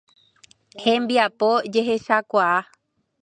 Hembiapo jehechechakuaa.